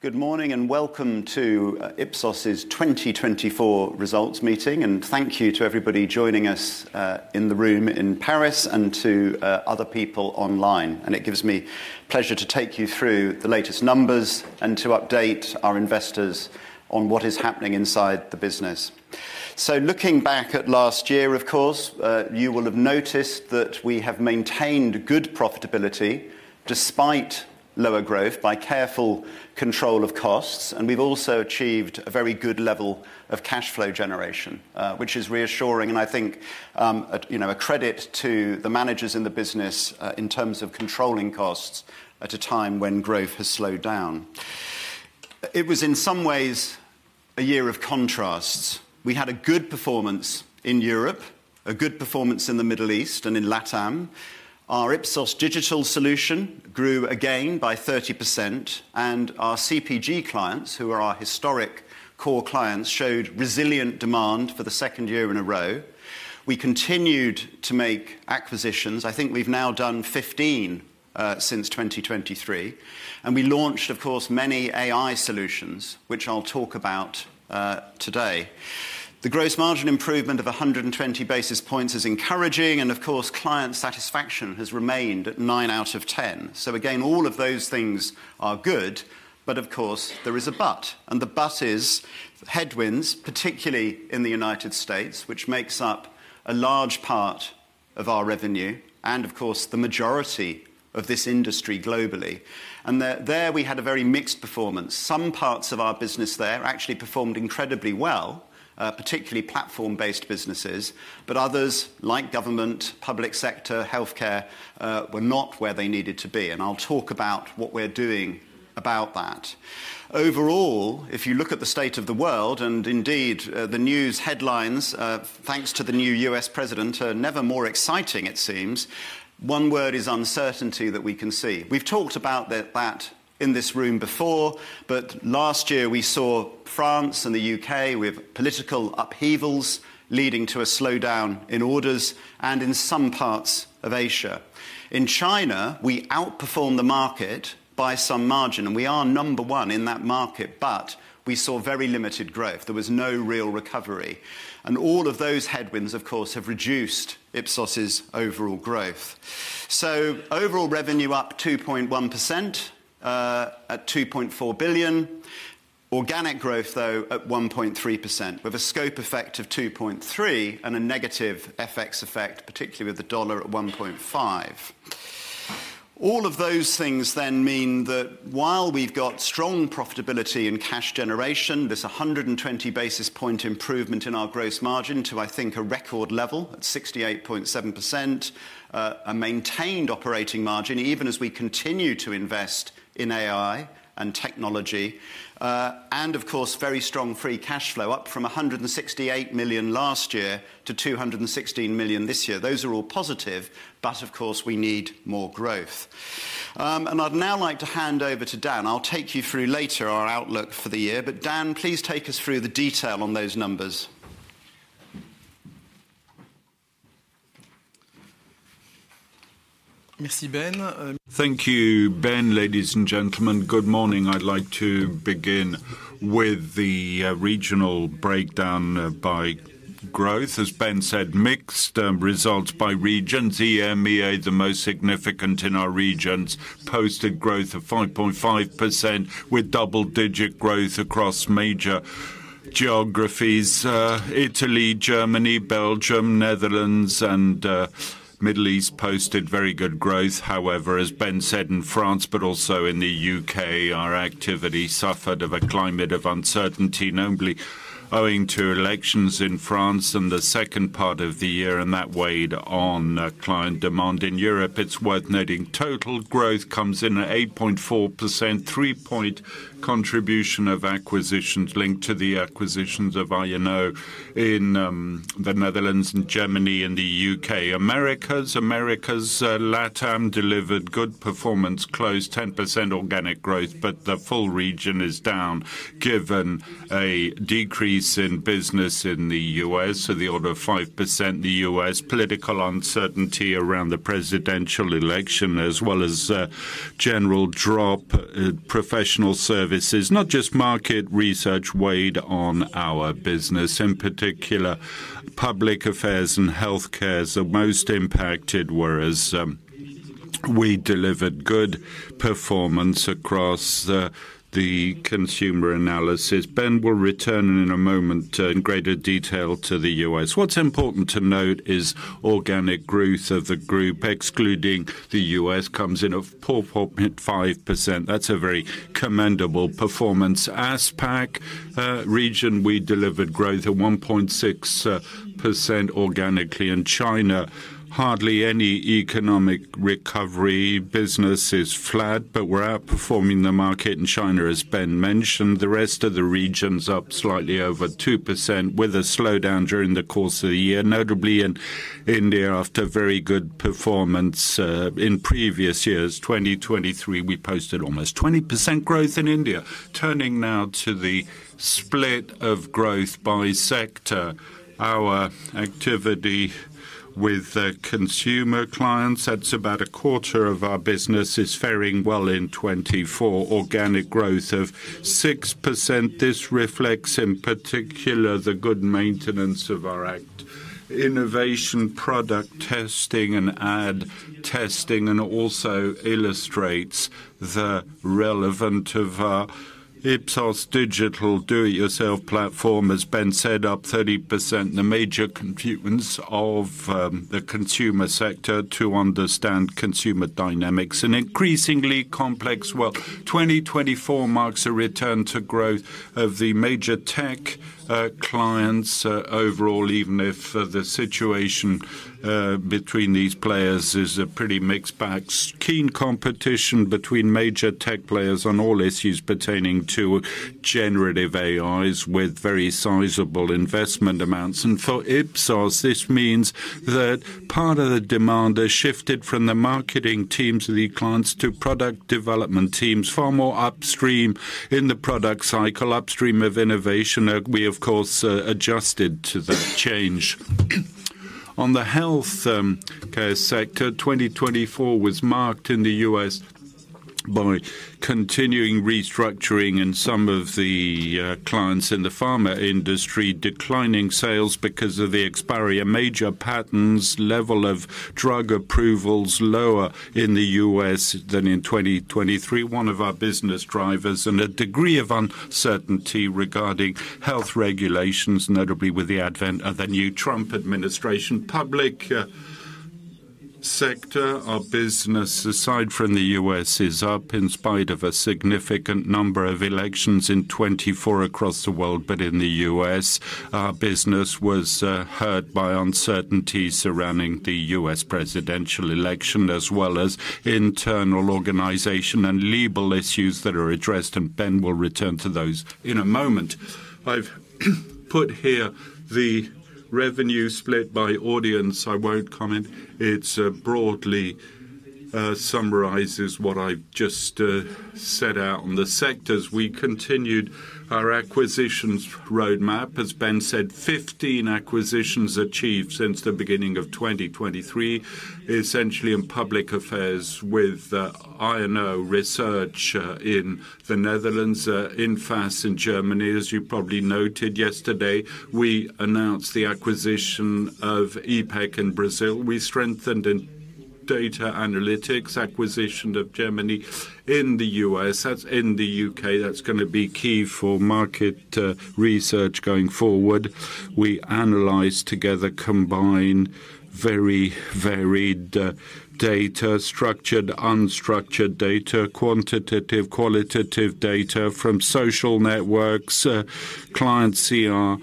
Good morning and welcome to Ipsos' 2024 Results Meeting, and thank you to everybody joining us in the room in Paris and to other people online. It gives me pleasure to take you through the latest numbers and to update our investors on what is happening inside the business. So, looking back at last year, of course, you will have noticed that we have maintained good profitability despite lower growth by careful control of costs, and we've also achieved a very good level of cash flow generation, which is reassuring, and I think a credit to the managers in the business in terms of controlling costs at a time when growth has slowed down. It was, in some ways, a year of contrasts. We had a good performance in Europe, a good performance in the Middle East, and in LATAM. Our Ipsos Digital solution grew again by 30%, and our CPG clients, who are our historic core clients, showed resilient demand for the second year in a row. We continued to make acquisitions. I think we've now done 15 since 2023, and we launched, of course, many AI solutions, which I'll talk about today. The gross margin improvement of 120 basis points is encouraging, and of course, client satisfaction has remained at nine out of 10. So again, all of those things are good, but of course, there is a but, and the but is headwinds, particularly in the United States, which makes up a large part of our revenue and, of course, the majority of this industry globally, and there we had a very mixed performance. Some parts of our business there actually performed incredibly well, particularly platform-based businesses, but others, like government, public sector, healthcare, were not where they needed to be, and I'll talk about what we're doing about that. Overall, if you look at the state of the world, and indeed the news headlines, thanks to the new U.S. president, are never more exciting, it seems. One word is uncertainty that we can see. We've talked about that in this room before, but last year we saw France and the U.K. with political upheavals leading to a slowdown in orders and in some parts of Asia. In China, we outperformed the market by some margin, and we are number one in that market, but we saw very limited growth. There was no real recovery, and all of those headwinds, of course, have reduced Ipsos' overall growth. Overall revenue up 2.1% at 2.4 billion, organic growth though at 1.3%, with a scope effect of 2.3 and a negative FX effect, particularly with the dollar at 1.5. All of those things then mean that while we've got strong profitability and cash generation, this 120 basis point improvement in our gross margin to, I think, a record level at 68.7%, a maintained operating margin even as we continue to invest in AI and technology, and of course, very strong free cash flow up from 168 million last year to 216 million this year. Those are all positive, but of course, we need more growth. I'd now like to hand over to Dan. I'll take you through later our outlook for the year, but Dan, please take us through the detail on those numbers. Thank you, Ben. Ladies and gentlemen, good morning. I'd like to begin with the regional breakdown by growth. As Ben said, mixed results by regions. EMEA, the most significant in our regions, posted growth of 5.5% with double-digit growth across major geographies. Italy, Germany, Belgium, Netherlands, and the Middle East posted very good growth. However, as Ben said, in France, but also in the U.K., our activity suffered a climate of uncertainty, namely owing to elections in France and the second part of the year, and that weighed on client demand in Europe. It's worth noting total growth comes in at 8.4%, 3.0% contribution of acquisitions linked to the acquisitions of I&O in the Netherlands, Germany, and the UK. Americas, LATAM delivered good performance, closed 10% organic growth, but the full region is down given a decrease in business in the U.S., so the order of 5% in the US. Political uncertainty around the presidential election, as well as a general drop in professional services, not just market research weighed on our business. In particular, public affairs and healthcare are most impacted, whereas we delivered good performance across the consumer analysis. Ben will return in a moment in greater detail to the US. What's important to note is organic growth of the group, excluding the U.S., comes in at 4.5%. That's a very commendable performance. ASPAC region, we delivered growth at 1.6% organically in China. Hardly any economic recovery. Business is flat, but we're outperforming the market in China, as Ben mentioned. The rest of the region's up slightly over 2% with a slowdown during the course of the year, notably in India after very good performance in previous years. 2023, we posted almost 20% growth in India. Turning now to the split of growth by sector, our activity with consumer clients, that's about a quarter of our business, is faring well in 2024. Organic growth of 6%. This reflects, in particular, the good maintenance of our innovation product testing and ad testing, and also illustrates the relevance of Ipsos' digital do-it-yourself platform, as Ben said, up 30%. The major contributions of the consumer sector to understand consumer dynamics and increasingly complex. 2024 marks a return to growth of the major tech clients overall, even if the situation between these players is a pretty mixed bag. Keen competition between major tech players on all issues pertaining to generative AIs with very sizable investment amounts, and for Ipsos, this means that part of the demand has shifted from the marketing teams of the clients to product development teams, far more upstream in the product cycle, upstream of innovation. We, of course, adjusted to that change. On the healthcare sector, 2024 was marked in the US by continuing restructuring in some of the clients in the pharma industry, declining sales because of the expiry of major patents and the level of drug approvals lower in the US than in 2023, one of our business drivers, and a degree of uncertainty regarding health regulations, notably with the advent of the new Trump administration. Public sector, our business, aside from the US, is up in spite of a significant number of elections in 2024 across the world, but in the US, our business was hurt by uncertainty surrounding the US presidential election, as well as internal organization and legal issues that are addressed, and Ben will return to those in a moment. I've put here the revenue split by audience. I won't comment. It broadly summarizes what I've just set out on the sectors. We continued our acquisitions roadmap, as Ben said, 15 acquisitions achieved since the beginning of 2023, essentially in public affairs with I&O Research in the Netherlands, Infas in Germany. As you probably noted yesterday, we announced the acquisition of IPEC in Brazil. We strengthened data analytics acquisition of Jarmany in the US. That's in the UK. That's going to be key for market research going forward. We analyze together, combine very varied data, structured, unstructured data, quantitative, qualitative data from social networks, client CRM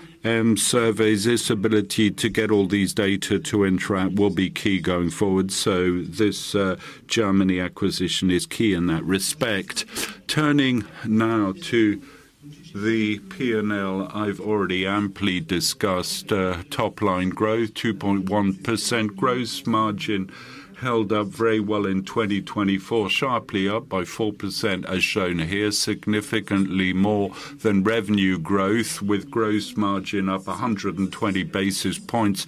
surveys. This ability to get all these data to interact will be key going forward, so this Jarmany acquisition is key in that respect. Turning now to the P&L, I've already amply discussed top-line growth, 2.1% gross margin held up very well in 2024, sharply up by 4% as shown here, significantly more than revenue growth, with gross margin up 120 basis points.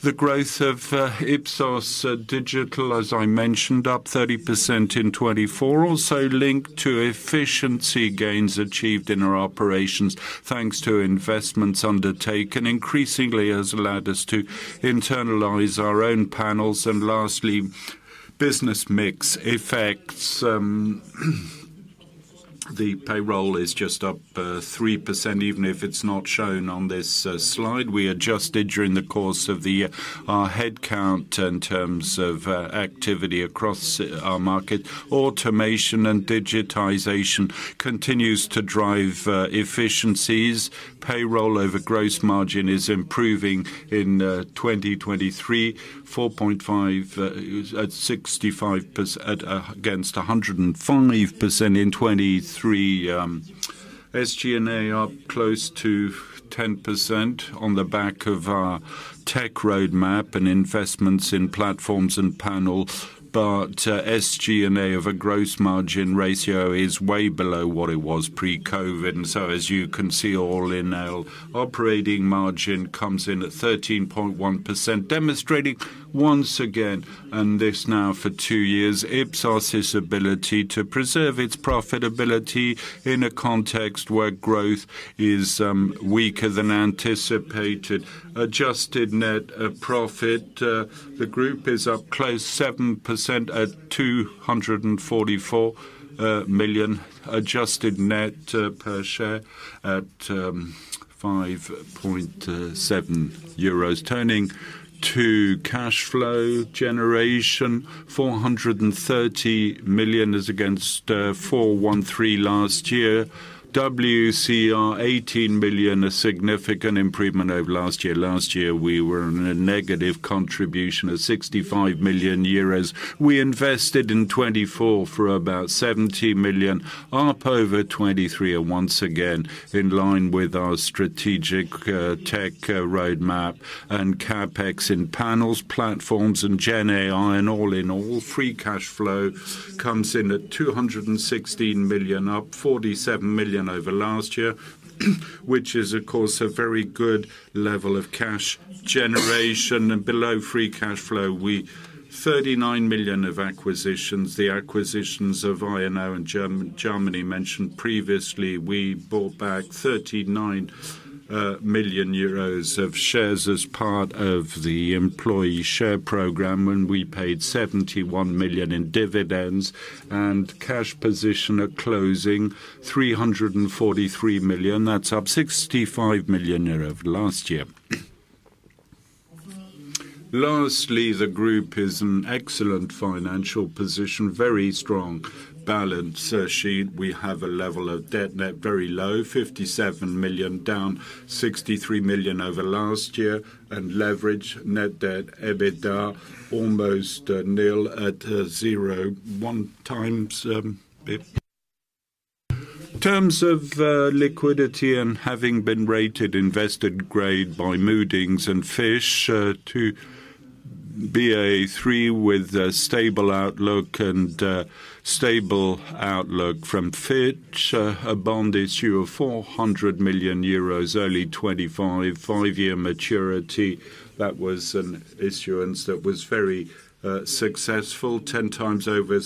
The growth of Ipsos Digital, as I mentioned, up 30% in 2024, also linked to efficiency gains achieved in our operations thanks to investments undertaken, increasingly has allowed us to internalize our own panels, and lastly, business mix effects. The payroll is just up 3%, even if it's not shown on this slide. We adjusted during the course of the year our headcount in terms of activity across our market. Automation and digitization continues to drive efficiencies. Payroll over gross margin is improving in 2023, 4.5% against 10.5% in 2023. SG&A up close to 10% on the back of our tech roadmap and investments in platforms and panel, but SG&A of a gross margin ratio is way below what it was pre-COVID. And so, as you can see, all in all, operating margin comes in at 13.1%, demonstrating once again, and this now for two years, Ipsos' ability to preserve its profitability in a context where growth is weaker than anticipated. Adjusted net profit, the group is up close 7% at 244 million, adjusted net per share at 5.7 euros. Turning to cash flow generation, 430 million is against 413 million last year. WCR 18 million, a significant improvement over last year. Last year, we were in a negative contribution of 65 million euros. We invested in 2024 for about 70 million, up over 2023, and once again, in line with our strategic tech roadmap and CapEx in panels, platforms, and GenAI, and all in all, free cash flow comes in at 216 million, up 47 million over last year, which is, of course, a very good level of cash generation, and below free cash flow, we 39 million of acquisitions, the acquisitions of I&O and Jarmany mentioned previously. We bought back 39 million euros of shares as part of the employee share program when we paid 71 million in dividends, and cash position at closing 343 million. That's up 65 million euros of last year. Lastly, the group is in excellent financial position, very strong balance sheet. We have a level of debt net very low, 57 million, down 63 million over last year, and leverage net debt EBITDA almost nil at zero. 0.1 times. In terms of liquidity and having been rated investment grade by Moody's and Fitch to Baa3 with a stable outlook and stable outlook from Fitch, a bond issue of 400 million euros, early 2025, five-year maturity. That was an issuance that was very successful, 10 times over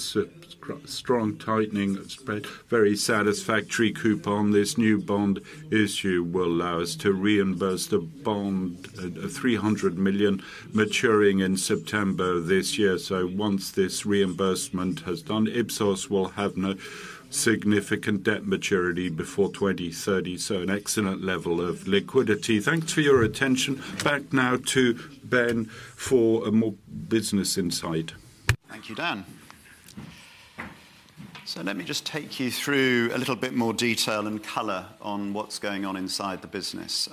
strong tightening of spread, very satisfactory coupon. This new bond issue will allow us to reimburse the bond, 300 million, maturing in September this year. So once this reimbursement has done, Ipsos will have no significant debt maturity before 2030. So an excellent level of liquidity. Thanks for your attention. Back now to Ben for a more business insight. Thank you, Dan. So let me just take you through a little bit more detail and color on what's going on inside the business.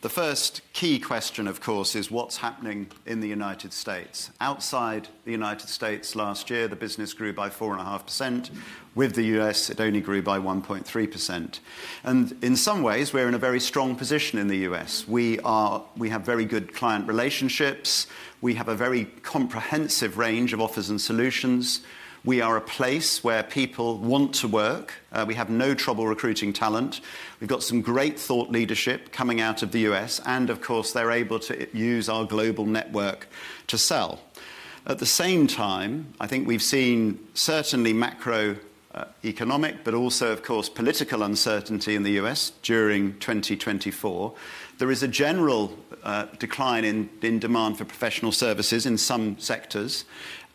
The first key question, of course, is what's happening in the United States. Outside the United States, last year, the business grew by 4.5%. With the US, it only grew by 1.3%. And in some ways, we're in a very strong position in the US. We have very good client relationships. We have a very comprehensive range of offers and solutions. We are a place where people want to work. We have no trouble recruiting talent. We've got some great thought leadership coming out of the US. And of course, they're able to use our global network to sell. At the same time, I think we've seen certainly macroeconomic, but also, of course, political uncertainty in the US during 2024. There is a general decline in demand for professional services in some sectors,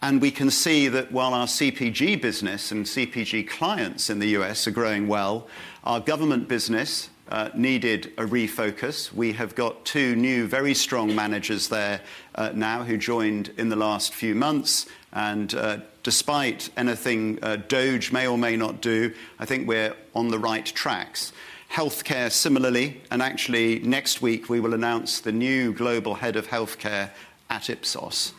and we can see that while our CPG business and CPG clients in the U.S. are growing well, our government business needed a refocus. We have got two new very strong managers there now who joined in the last few months, and despite anything DOGE may or may not do, I think we're on the right tracks. Healthcare similarly. Actually, next week, we will announce the new global head of healthcare at Ipsos,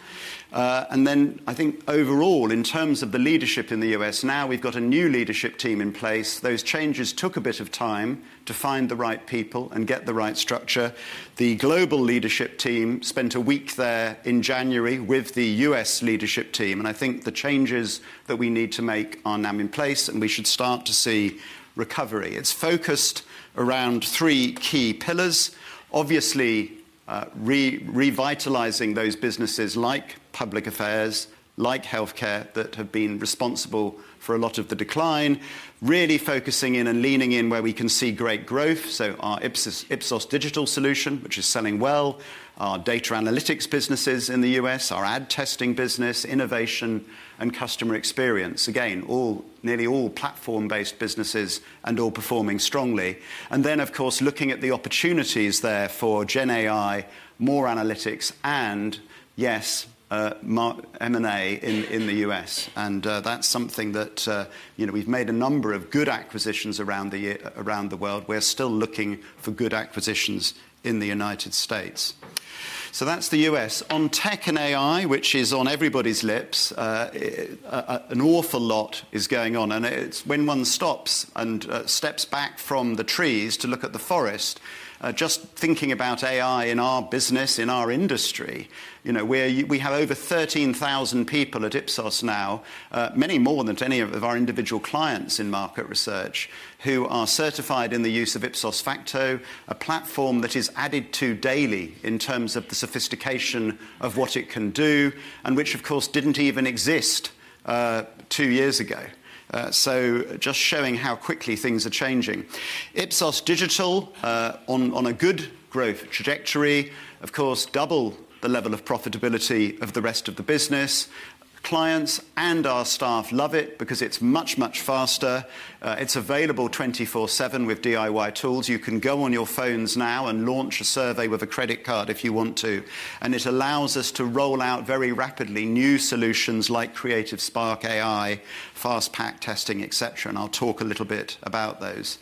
and then I think overall, in terms of the leadership in the U.S., now we've got a new leadership team in place. Those changes took a bit of time to find the right people and get the right structure. The global leadership team spent a week there in January with the U.S. leadership team. I think the changes that we need to make are now in place, and we should start to see recovery. It's focused around three key pillars. Obviously, revitalizing those businesses like public affairs, like healthcare that have been responsible for a lot of the decline, really focusing in and leaning in where we can see great growth. So our Ipsos Digital solution, which is selling well, our data analytics businesses in the U.S., our ad testing business, innovation, and customer experience. Again, nearly all platform-based businesses and all performing strongly. And then, of course, looking at the opportunities there for GenAI, more analytics, and yes, M&A in the U.S. And that's something that we've made a number of good acquisitions around the world. We're still looking for good acquisitions in the United States. So that's the US. On tech and AI, which is on everybody's lips, an awful lot is going on, and it's when one stops and steps back from the trees to look at the forest, just thinking about AI in our business, in our industry, we have over 13,000 people at Ipsos now, many more than any of our individual clients in market research, who are certified in the use of Ipsos Facto, a platform that is added to daily in terms of the sophistication of what it can do, and which, of course, didn't even exist two years ago, so just showing how quickly things are changing. Ipsos Digital on a good growth trajectory, of course, double the level of profitability of the rest of the business. Clients and our staff love it because it's much, much faster. It's available 24/7 with DIY tools. You can go on your phones now and launch a survey with a credit card if you want to. And it allows us to roll out very rapidly new solutions like Creative Spark AI, FastPack testing, etc. And I'll talk a little bit about those.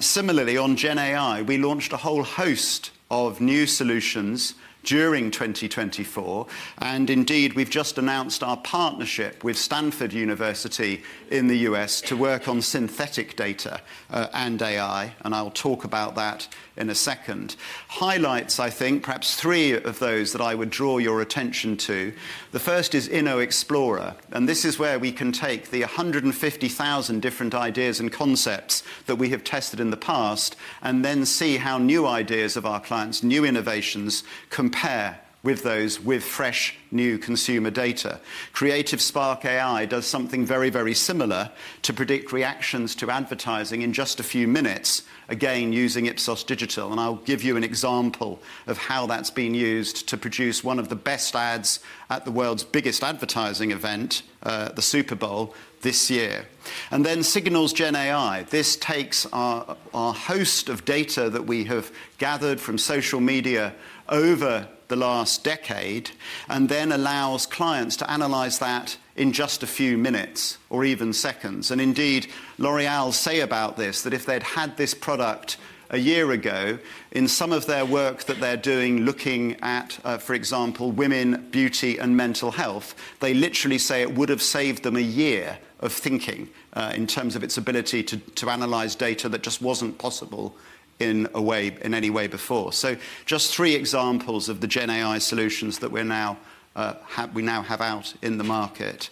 Similarly, on GenAI, we launched a whole host of new solutions during 2024. And indeed, we've just announced our partnership with Stanford University in the U.S. to work on synthetic data and AI. And I'll talk about that in a second. Highlights, I think, perhaps three of those that I would draw your attention to. The first is InnoExplorer. And this is where we can take the 150,000 different ideas and concepts that we have tested in the past and then see how new ideas of our clients, new innovations, compare with those with fresh new consumer data. Creative Spark AI does something very, very similar to predict reactions to advertising in just a few minutes, again, using Ipsos Digital, and I'll give you an example of how that's been used to produce one of the best ads at the world's biggest advertising event, the Super Bowl, this year, and then Signals GenAI. This takes our host of data that we have gathered from social media over the last decade and then allows clients to analyze that in just a few minutes or even seconds, and indeed, L'Oréal say about this that if they'd had this product a year ago, in some of their work that they're doing looking at, for example, women, beauty, and mental health, they literally say it would have saved them a year of thinking in terms of its ability to analyze data that just wasn't possible in any way before. So just three examples of the GenAI solutions that we now have out in the market.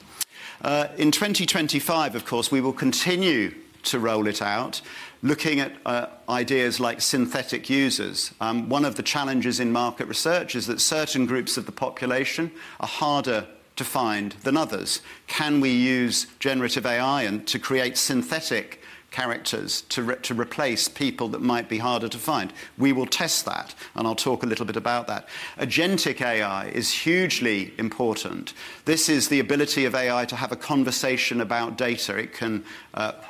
In 2025, of course, we will continue to roll it out, looking at ideas like synthetic users. One of the challenges in market research is that certain groups of the population are harder to find than others. Can we use generative AI to create synthetic characters to replace people that might be harder to find? We will test that, and I'll talk a little bit about that. Agentic AI is hugely important. This is the ability of AI to have a conversation about data. It can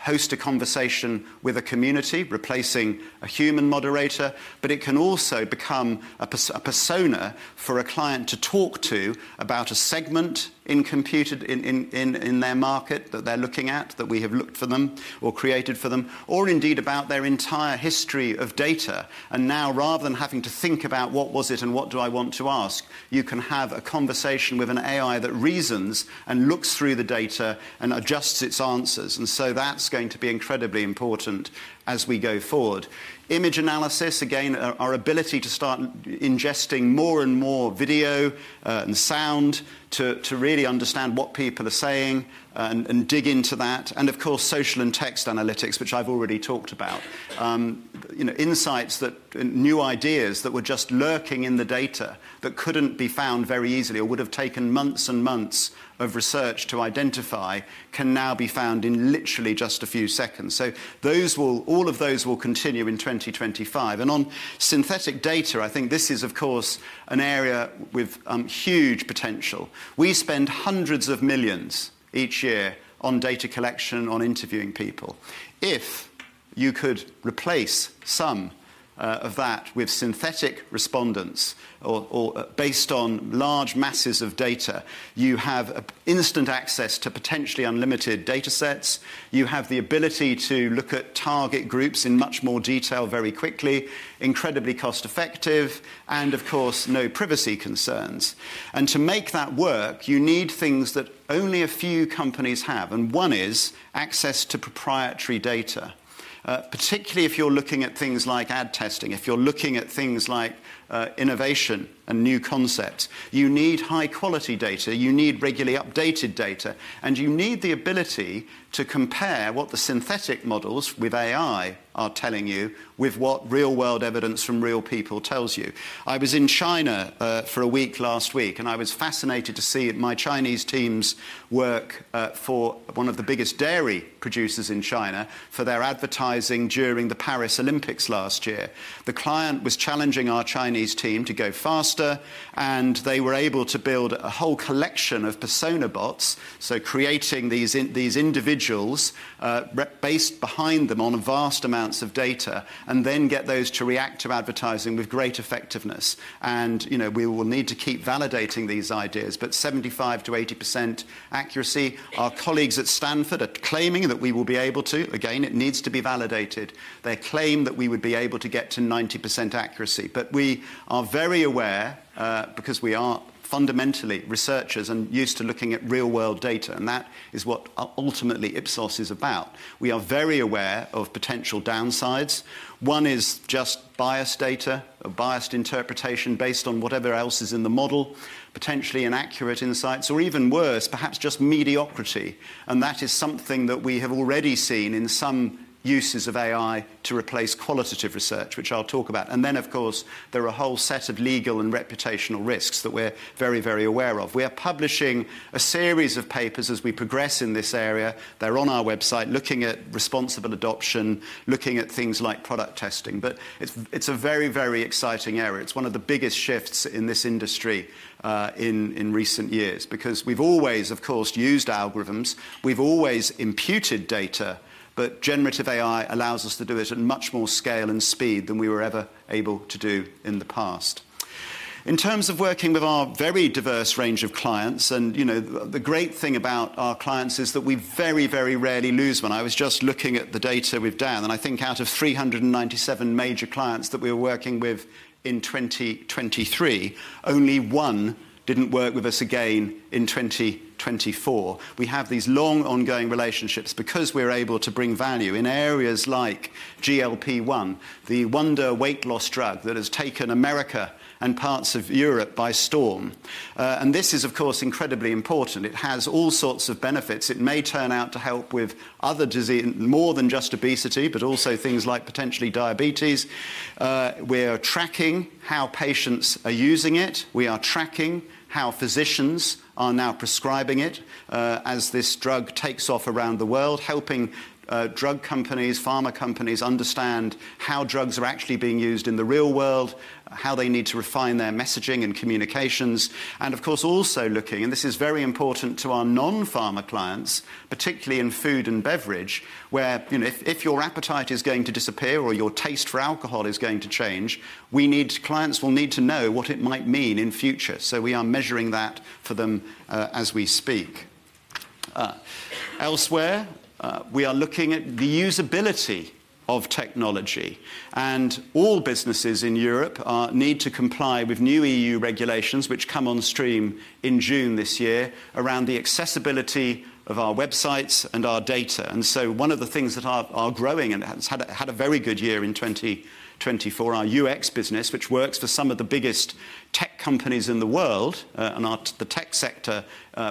host a conversation with a community, replacing a human moderator, but it can also become a persona for a client to talk to about a segment in their market that they're looking at, that we have looked for them or created for them, or indeed about their entire history of data, and now, rather than having to think about what was it and what do I want to ask, you can have a conversation with an AI that reasons and looks through the data and adjusts its answers, and so that's going to be incredibly important as we go forward. Image analysis, again, our ability to start ingesting more and more video and sound to really understand what people are saying and dig into that, and of course, social and text analytics, which I've already talked about. Insights that new ideas that were just lurking in the data that couldn't be found very easily or would have taken months and months of research to identify can now be found in literally just a few seconds. So all of those will continue in 2025. And on synthetic data, I think this is, of course, an area with huge potential. We spend hundreds of millions each year on data collection, on interviewing people. If you could replace some of that with synthetic respondents or based on large masses of data, you have instant access to potentially unlimited data sets. You have the ability to look at target groups in much more detail very quickly, incredibly cost-effective, and of course, no privacy concerns. And to make that work, you need things that only a few companies have. One is access to proprietary data, particularly if you're looking at things like ad testing, if you're looking at things like innovation and new concepts. You need high-quality data. You need regularly updated data. And you need the ability to compare what the synthetic models with AI are telling you with what real-world evidence from real people tells you. I was in China for a week last week, and I was fascinated to see my Chinese team's work for one of the biggest dairy producers in China for their advertising during the Paris Olympics last year. The client was challenging our Chinese team to go faster, and they were able to build a whole collection of persona bots, so creating these individuals based behind them on vast amounts of data and then get those to react to advertising with great effectiveness. We will need to keep validating these ideas, but 75%-80% accuracy. Our colleagues at Stanford are claiming that we will be able to. Again, it needs to be validated. They claim that we would be able to get to 90% accuracy. But we are very aware because we are fundamentally researchers and used to looking at real-world data. And that is what ultimately Ipsos is about. We are very aware of potential downsides. One is just biased data or biased interpretation based on whatever else is in the model, potentially inaccurate insights, or even worse, perhaps just mediocrity. And that is something that we have already seen in some uses of AI to replace qualitative research, which I'll talk about. And then, of course, there are a whole set of legal and reputational risks that we're very, very aware of. We are publishing a series of papers as we progress in this area. They're on our website, looking at responsible adoption, looking at things like product testing. But it's a very, very exciting area. It's one of the biggest shifts in this industry in recent years because we've always, of course, used algorithms. We've always imputed data, but generative AI allows us to do it at much more scale and speed than we were ever able to do in the past. In terms of working with our very diverse range of clients, and the great thing about our clients is that we very, very rarely lose one. I was just looking at the data with Dan, and I think out of 397 major clients that we were working with in 2023, only one didn't work with us again in 2024. We have these long-ongoing relationships because we're able to bring value in areas like GLP-1, the wonder weight loss drug that has taken America and parts of Europe by storm, and this is, of course, incredibly important. It has all sorts of benefits. It may turn out to help with other diseases, more than just obesity, but also things like potentially diabetes. We are tracking how patients are using it. We are tracking how physicians are now prescribing it as this drug takes off around the world, helping drug companies, pharma companies understand how drugs are actually being used in the real world, how they need to refine their messaging and communications. Of course, also looking, and this is very important to our non-pharma clients, particularly in food and beverage, where if your appetite is going to disappear or your taste for alcohol is going to change, clients will need to know what it might mean in future. So we are measuring that for them as we speak. Elsewhere, we are looking at the usability of technology. All businesses in Europe need to comply with new EU regulations, which come on stream in June this year around the accessibility of our websites and our data. One of the things that are growing and had a very good year in 2024, our UX business, which works for some of the biggest tech companies in the world, and the tech sector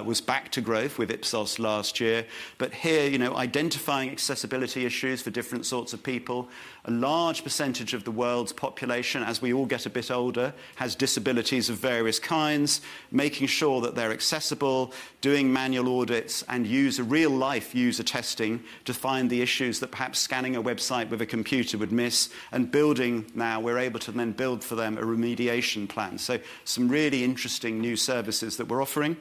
was back to growth with Ipsos last year. But here, identifying accessibility issues for different sorts of people. A large percentage of the world's population, as we all get a bit older, has disabilities of various kinds, making sure that they're accessible, doing manual audits, and use real-life user testing to find the issues that perhaps scanning a website with a computer would miss, and building now, we're able to then build for them a remediation plan, so some really interesting new services that we're offering.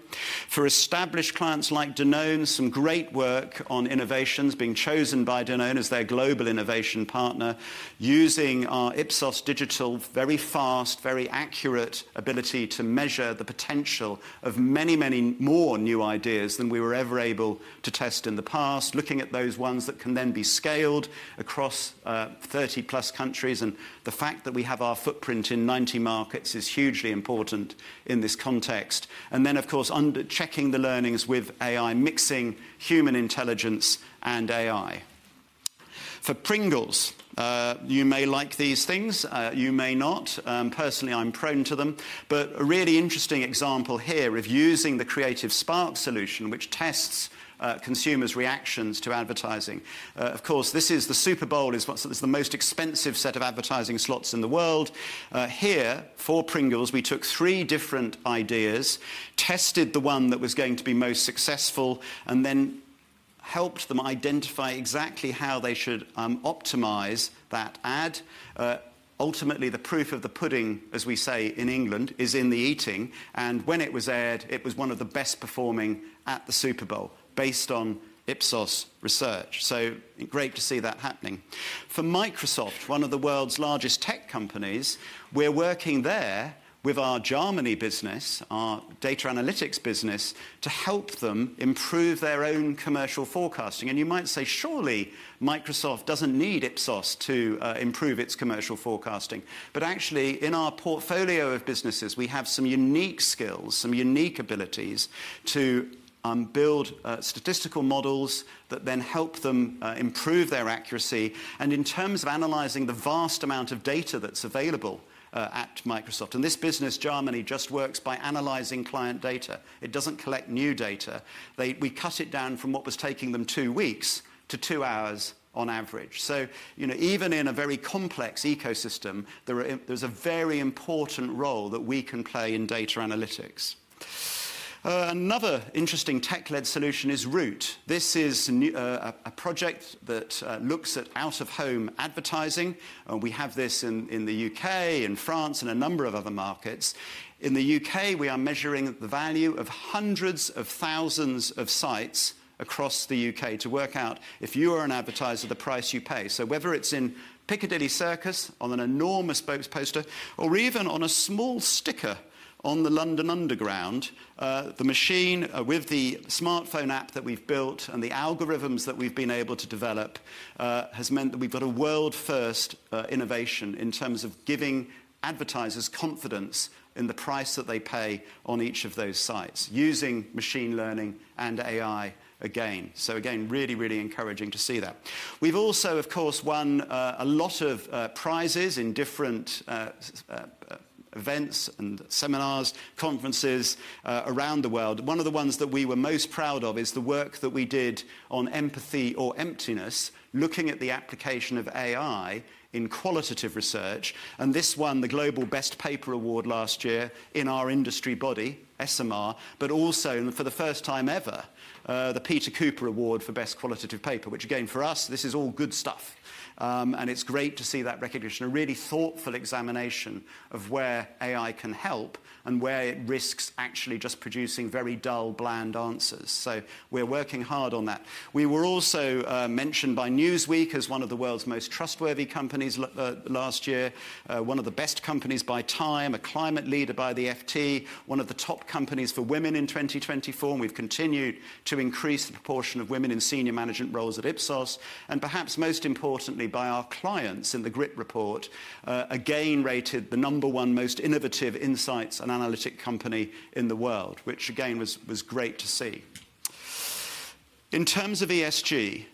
For established clients like Danone, some great work on innovations being chosen by Danone as their global innovation partner, using our Ipsos Digital very fast, very accurate ability to measure the potential of many, many more new ideas than we were ever able to test in the past, looking at those ones that can then be scaled across 30-plus countries, and the fact that we have our footprint in 90 markets is hugely important in this context. And then, of course, checking the learnings with AI, mixing human intelligence and AI. For Pringles, you may like these things. You may not. Personally, I'm prone to them. But a really interesting example here of using the Creative Spark solution, which tests consumers' reactions to advertising. Of course, this is the Super Bowl. It's the most expensive set of advertising slots in the world. Here, for Pringles, we took three different ideas, tested the one that was going to be most successful, and then helped them identify exactly how they should optimize that ad. Ultimately, the proof of the pudding, as we say in England, is in the eating. And when it was aired, it was one of the best performing at the Super Bowl based on Ipsos research. So great to see that happening. For Microsoft, one of the world's largest tech companies, we're working there with our Jarmany business, our data analytics business, to help them improve their own commercial forecasting. And you might say, surely, Microsoft doesn't need Ipsos to improve its commercial forecasting. But actually, in our portfolio of businesses, we have some unique skills, some unique abilities to build statistical models that then help them improve their accuracy and in terms of analyzing the vast amount of data that's available at Microsoft. And this business, Jarmany, just works by analyzing client data. It doesn't collect new data. We cut it down from what was taking them two weeks to two hours on average. So even in a very complex ecosystem, there's a very important role that we can play in data analytics. Another interesting tech-led solution is Route. This is a project that looks at out-of-home advertising. We have this in the U.K., in France, and a number of other markets. In the U.K., we are measuring the value of hundreds of thousands of sites across the U.K. to work out if you are an advertiser, the price you pay. So whether it's in Piccadilly Circus on an enormous boat poster or even on a small sticker on the London Underground, the machine with the smartphone app that we've built and the algorithms that we've been able to develop has meant that we've got a world-first innovation in terms of giving advertisers confidence in the price that they pay on each of those sites using machine learning and AI again. So again, really, really encouraging to see that. We've also, of course, won a lot of prizes in different events and seminars, conferences around the world. One of the ones that we were most proud of is the work that we did on empathy or emptiness, looking at the application of AI in qualitative research. And this won the Global Best Paper Award last year in our industry body, ESOMAR, but also for the first time ever, the Peter Cooper Award for Best Qualitative Paper, which again, for us, this is all good stuff. And it's great to see that recognition, a really thoughtful examination of where AI can help and where it risks actually just producing very dull, bland answers. So we're working hard on that. We were also mentioned by Newsweek as one of the world's most trustworthy companies last year, one of the best companies by Time, a climate leader by the FT, one of the top companies for women in 2024. We've continued to increase the proportion of women in senior management roles at Ipsos. Perhaps most importantly, by our clients in the GRIT report, again rated the number one most innovative insights and analytics company in the world, which again was great to see. In terms of ESG,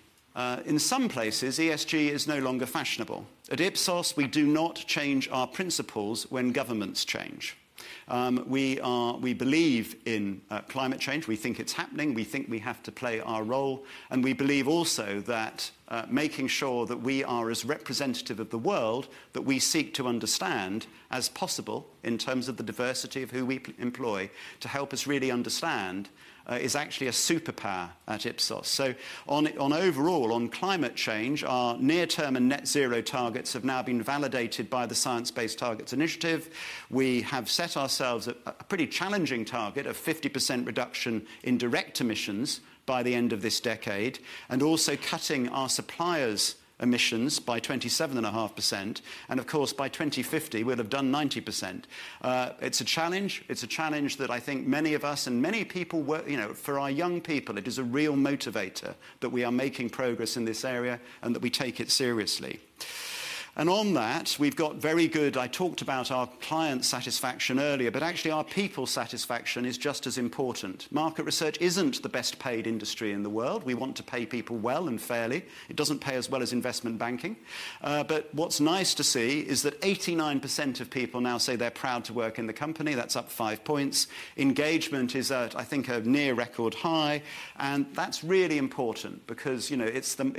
in some places, ESG is no longer fashionable. At Ipsos, we do not change our principles when governments change. We believe in climate change. We think it's happening. We think we have to play our role. We believe also that making sure that we are as representative of the world that we seek to understand as possible in terms of the diversity of who we employ to help us really understand is actually a superpower at Ipsos. Overall, on climate change, our near-term and net-zero targets have now been validated by the Science Based Targets initiative. We have set ourselves a pretty challenging target of 50% reduction in direct emissions by the end of this decade and also cutting our suppliers' emissions by 27.5%. And of course, by 2050, we'll have done 90%. It's a challenge. It's a challenge that I think many of us and many people work for our young people. It is a real motivator that we are making progress in this area and that we take it seriously. And on that, we've got very good. I talked about our client satisfaction earlier, but actually our people satisfaction is just as important. Market research isn't the best-paid industry in the world. We want to pay people well and fairly. It doesn't pay as well as investment banking. But what's nice to see is that 89% of people now say they're proud to work in the company. That's up five points. Engagement is at, I think, a near record high, and that's really important because it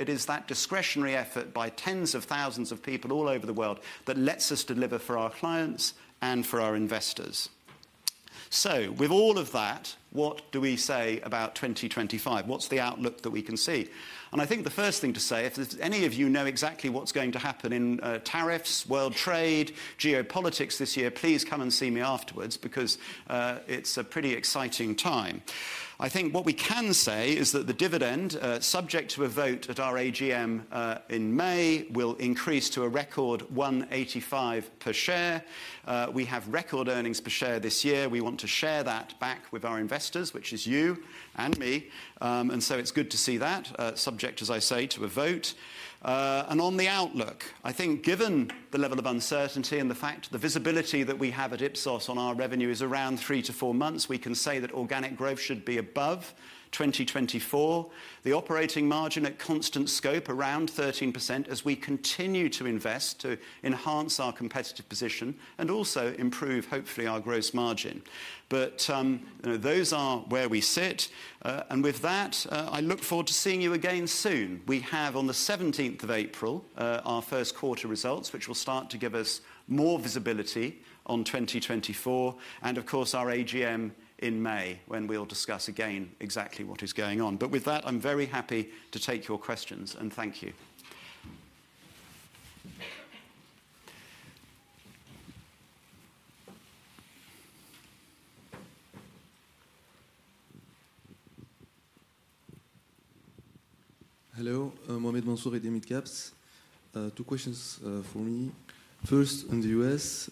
is that discretionary effort by tens of thousands of people all over the world that lets us deliver for our clients and for our investors, so with all of that, what do we say about 2025? What's the outlook that we can see, and I think the first thing to say, if any of you know exactly what's going to happen in tariffs, world trade, geopolitics this year, please come and see me afterwards because it's a pretty exciting time. I think what we can say is that the dividend, subject to a vote at our AGM in May, will increase to a record 185 per share. We have record earnings per share this year. We want to share that back with our investors, which is you and me. And so it's good to see that, subject, as I say, to a vote. And on the outlook, I think given the level of uncertainty and the fact the visibility that we have at Ipsos on our revenue is around three to four months, we can say that organic growth should be above 2024, the operating margin at constant scope around 13% as we continue to invest to enhance our competitive position and also improve, hopefully, our gross margin. But those are where we sit and with that, I look forward to seeing you again soon. We have on the 17th of April our Q1 results, which will start to give us more visibility on 2024. And of course, our AGM in May when we'll discuss again exactly what is going on. But with that, I'm very happy to take your questions. And thank you. Hello, Mohamed Mansour, IDMidCaps. Two questions for me. First, in the U.S.,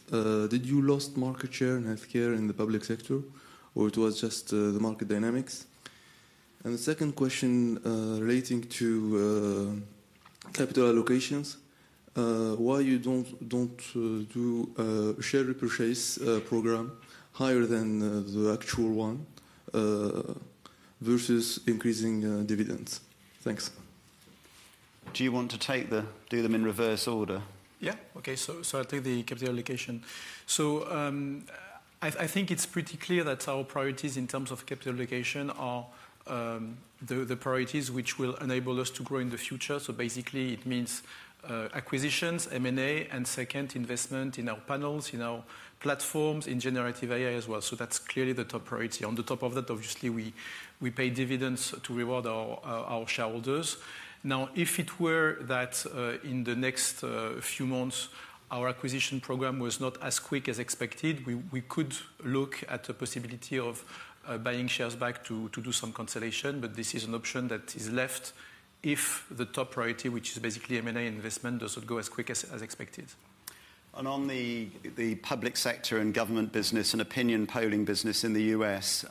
did you lost market share in healthcare and the public sector, or it was just the market dynamics? And the second question relating to capital allocations, why you don't do a share repurchase program higher than the actual one versus increasing dividends? Thanks. Do you want to do them in reverse order? Yeah. Okay. So I'll take the capital allocation. So I think it's pretty clear that our priorities in terms of capital allocation are the priorities which will enable us to grow in the future. So basically, it means acquisitions, M&A, and second, investment in our panels, in our platforms, in generative AI as well. So that's clearly the top priority. On the top of that, obviously, we pay dividends to reward our shareholders. Now, if it were that in the next few months, our acquisition program was not as quick as expected, we could look at the possibility of buying shares back to do some consolidation. But this is an option that is left if the top priority, which is basically M&A investment, doesn't go as quick as expected. And on the public sector and government business and opinion polling business in the U.S.,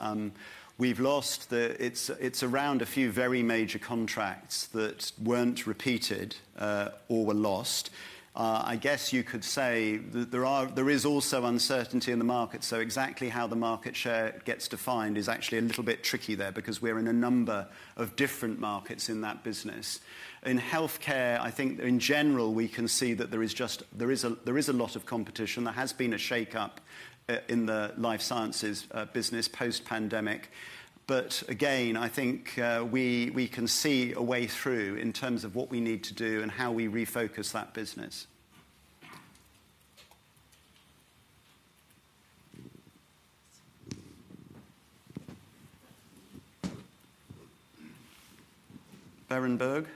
we've lost. That it's around a few very major contracts that weren't repeated or were lost. I guess you could say there is also uncertainty in the market. So exactly how the market share gets defined is actually a little bit tricky there because we're in a number of different markets in that business. In healthcare, I think in general, we can see that there is a lot of competition. There has been a shake-up in the life sciences business post-pandemic. But again, I think we can see a way through in terms of what we need to do and how we refocus that business. Berenberg.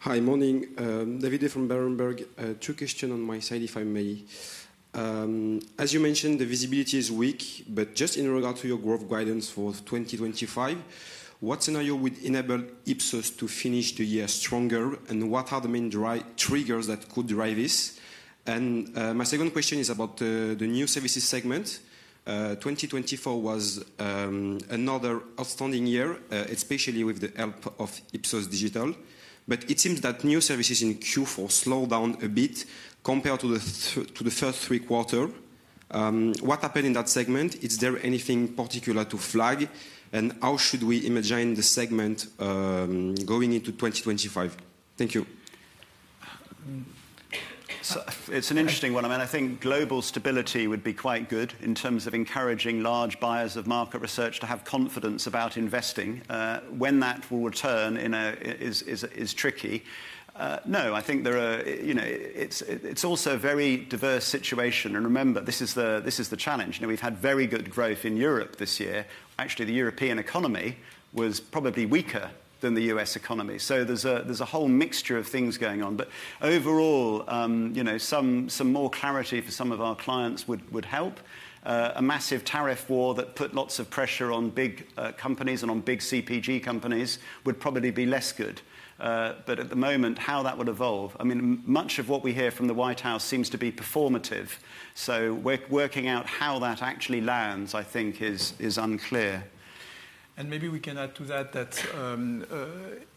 Hi, morning. David from Berenberg. Two questions on my side, if I may. As you mentioned, the visibility is weak. But just in regard to your growth guidance for 2025, what scenario would enable Ipsos to finish the year stronger? And what are the main triggers that could drive this? And my second question is about the new services segment. 2024 was another outstanding year, especially with the help of Ipsos Digital. But it seems that new services in Q4 slowed down a bit compared to the first three quarters. What happened in that segment? Is there anything particular to flag? And how should we imagine the segment going into 2025? Thank you. It's an interesting one. I mean, I think global stability would be quite good in terms of encouraging large buyers of market research to have confidence about investing. When that will return is tricky. No, I think it's also a very diverse situation. And remember, this is the challenge. We've had very good growth in Europe this year. Actually, the European economy was probably weaker than the U.S. economy. So there's a whole mixture of things going on. But overall, some more clarity for some of our clients would help. A massive tariff war that put lots of pressure on big companies and on big CPG companies would probably be less good. But at the moment, how that would evolve, I mean, much of what we hear from the White House seems to be performative. So working out how that actually lands, I think, is unclear. Maybe we can add to that that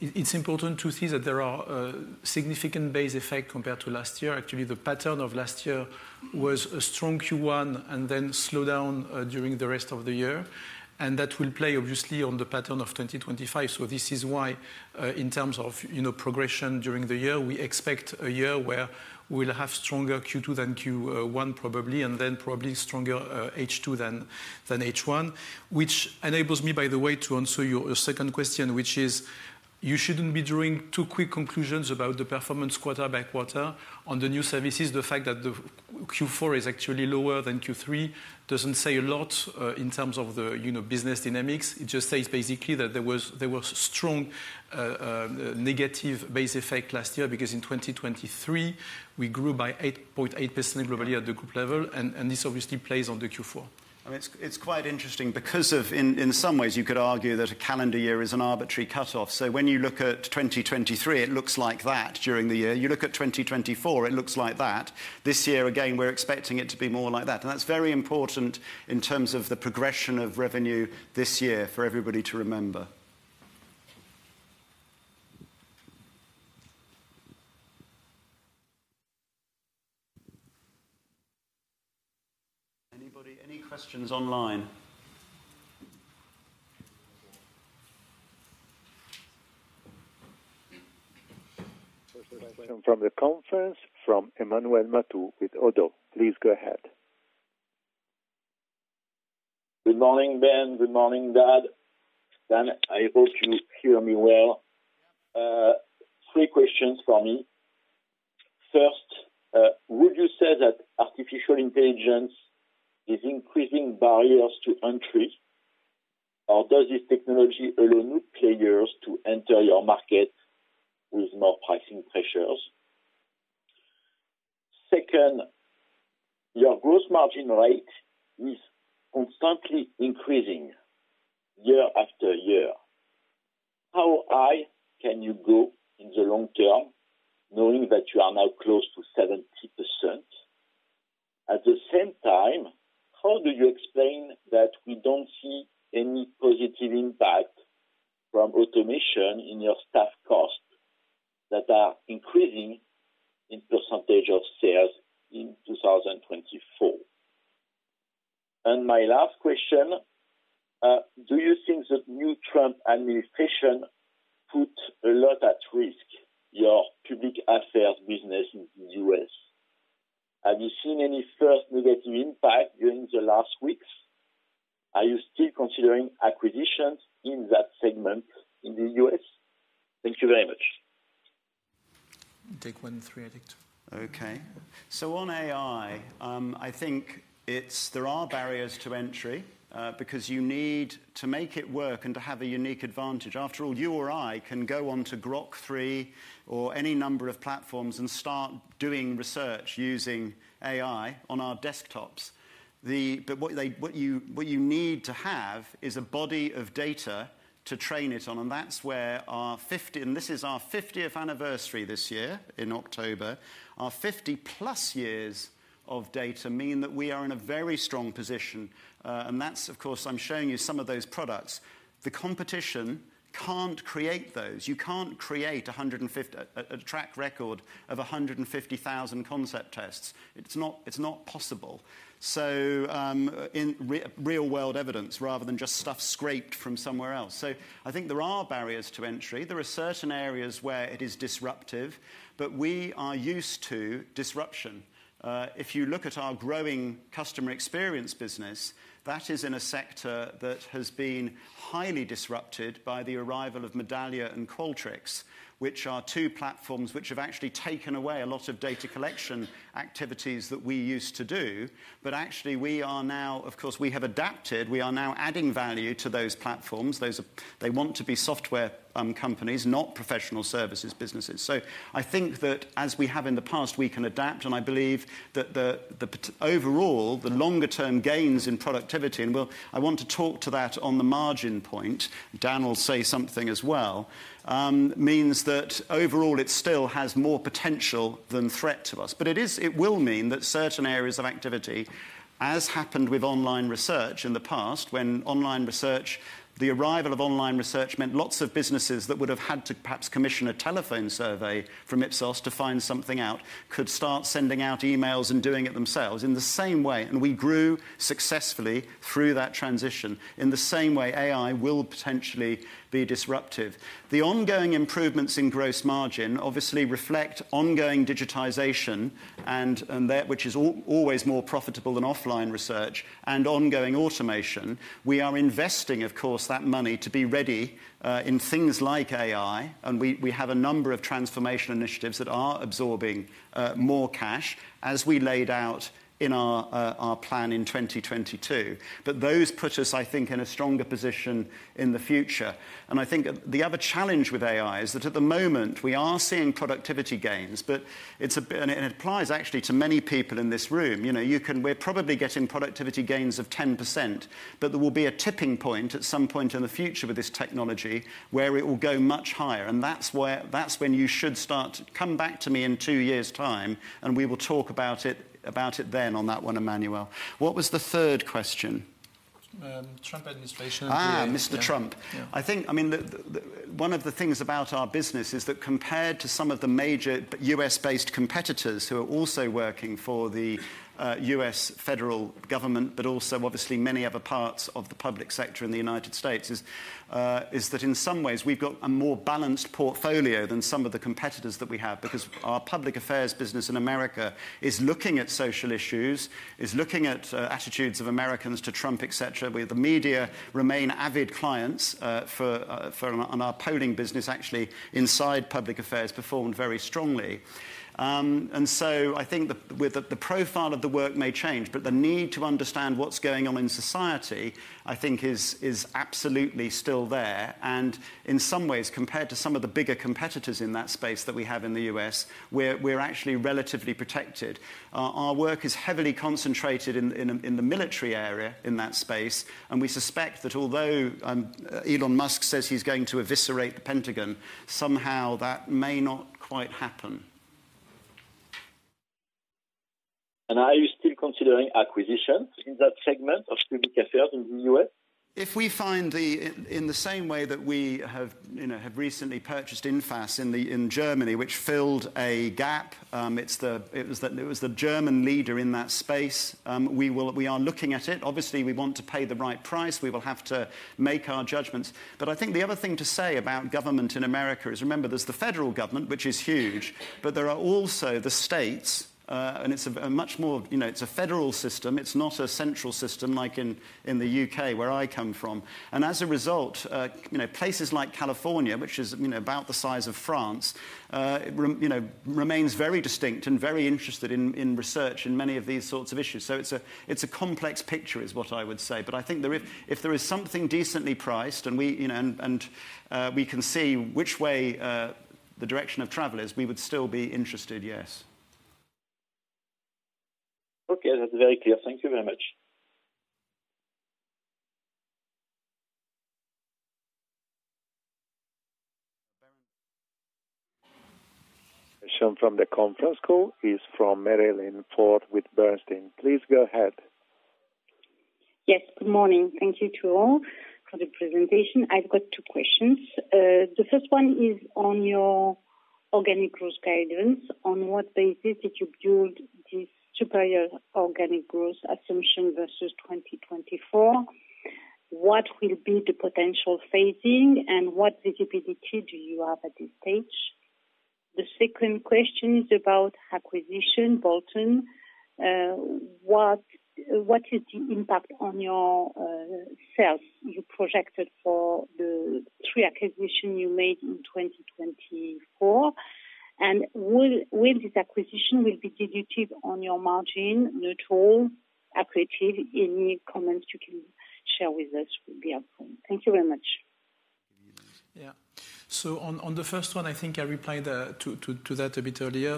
it's important to see that there are significant base effects compared to last year. Actually, the pattern of last year was a strong Q1 and then slowed down during the rest of the year. And that will play, obviously, on the pattern of 2025. This is why, in terms of progression during the year, we expect a year where we'll have stronger Q2 than Q1 probably, and then probably stronger H2 than H1, which enables me, by the way, to answer your second question, which is you shouldn't be drawing too quick conclusions about the performance quarter by quarter on the new services. The fact that Q4 is actually lower than Q3 doesn't say a lot in terms of the business dynamics. It just says basically that there was strong negative base effect last year because in 2023, we grew by 8.8% globally at the group level, and this obviously plays on the Q4. I mean, it's quite interesting because in some ways, you could argue that a calendar year is an arbitrary cutoff, so when you look at 2023, it looks like that during the year. You look at 2024, it looks like that. This year, again, we're expecting it to be more like that, and that's very important in terms of the progression of revenue this year for everybody to remember. Anybody? Any questions online? From the conference, from Emmanuel Matot with ODDO. Please go ahead. Good morning, Ben. Good morning, Dan. Ben, I hope you hear me well. Three questions for me. First, would you say that artificial intelligence is increasing barriers to entry, or does this technology alone need players to enter your market with more pricing pressures? Second, your gross margin rate is constantly increasing year after year. How high can you go in the long term, knowing that you are now close to 70%? At the same time, how do you explain that we don't see any positive impact from automation in your staff costs that are increasing in percentage of sales in 2024? And my last question, do you think the new Trump administration put a lot at risk your public affairs business in the U.S.? Have you seen any first negative impact during the last weeks? Are you still considering acquisitions in that segment in the U.S.? Thank you very much. Take one, three, I think. Okay. On AI, I think there are barriers to entry because you need to make it work and to have a unique advantage. After all, you or I can go on to Grok 3 or any number of platforms and start doing research using AI on our desktops. But what you need to have is a body of data to train it on. And that's where our 50—and this is our 50th anniversary this year in October—our 50-plus years of data mean that we are in a very strong position. And that's, of course, I'm showing you some of those products. The competition can't create those. You can't track record of 150,000 concept tests. It's not possible. So real-world evidence rather than just stuff scraped from somewhere else. I think there are barriers to entry. There are certain areas where it is disruptive, but we are used to disruption. If you look at our growing customer experience business, that is in a sector that has been highly disrupted by the arrival of Medallia and Qualtrics, which are two platforms which have actually taken away a lot of data collection activities that we used to do. But actually, we are now, of course, we have adapted. We are now adding value to those platforms. They want to be software companies, not professional services businesses. So I think that as we have in the past, we can adapt. And I believe that overall, the longer-term gains in productivity - and I want to talk to that on the margin point. Dan will say something as well - means that overall, it still has more potential than threat to us. But it will mean that certain areas of activity, as happened with online research in the past, when the arrival of online research meant lots of businesses that would have had to perhaps commission a telephone survey from Ipsos to find something out, could start sending out emails and doing it themselves in the same way. And we grew successfully through that transition in the same way AI will potentially be disruptive. The ongoing improvements in gross margin obviously reflect ongoing digitization, which is always more profitable than offline research, and ongoing automation. We are investing, of course, that money to be ready in things like AI. And we have a number of transformation initiatives that are absorbing more cash as we laid out in our plan in 2022. But those put us, I think, in a stronger position in the future. And I think the other challenge with AI is that at the moment, we are seeing productivity gains. But it applies actually to many people in this room. We're probably getting productivity gains of 10%. But there will be a tipping point at some point in the future with this technology where it will go much higher. And that's when you should start. Come back to me in two years' time, and we will talk about it then on that one, Emmanuel. What was the third question? Trump administration. Mr. Trump. I think, I mean, one of the things about our business is that compared to some of the major U.S.-based competitors who are also working for the US federal government, but also, obviously, many other parts of the public sector in the United States, is that in some ways, we've got a more balanced portfolio than some of the competitors that we have because our public affairs business in America is looking at social issues, is looking at attitudes of Americans to Trump, etc. The media remain avid clients for our polling business. Actually, inside public affairs performed very strongly, and so I think the profile of the work may change. But the need to understand what's going on in society, I think, is absolutely still there. In some ways, compared to some of the bigger competitors in that space that we have in the U.S., we're actually relatively protected. Our work is heavily concentrated in the military area in that space. We suspect that although Elon Musk says he's going to eviscerate the Pentagon, somehow that may not quite happen. Are you still considering acquisitions in that segment of public affairs in the U.S.? If we find in the same way that we have recently purchased Infas in Germany, which filled a gap, it was the German leader in that space, we are looking at it. Obviously, we want to pay the right price. We will have to make our judgments. I think the other thing to say about government in America is, remember, there's the federal government, which is huge, but there are also the states. It's a much more federal system. It's not a central system like in the U.K. where I come from. And as a result, places like California, which is about the size of France, remains very distinct and very interested in research in many of these sorts of issues. It's a complex picture, is what I would say. But I think if there is something decently priced and we can see which way the direction of travel is, we would still be interested, yes. Okay. That's very clear. Thank you very much. Someone from the conference call is Marie-Line Fort with Bernstein. Please go ahead. Yes. Good morning. Thank you to all for the presentation. I've got two questions. The first one is on your organic growth guidance. On what basis did you build this superior organic growth assumption versus 2024? What will be the potential phasing? What visibility do you have at this stage? The second question is about acquisitions, bolt-on. What is the impact on your sales you projected for the three acquisitions you made in 2024? And will this acquisition be dilutive on your margin, neutral, or accretive? Any comments you can share with us would be helpful. Thank you very much. Yeah. On the first one, I think I replied to that a bit earlier.